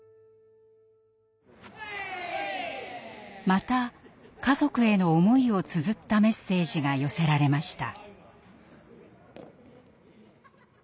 また家族への思いをつづったメッセージが寄せられました。